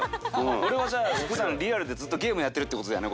俺はじゃあ普段リアルでずっとゲームやってるって事だよね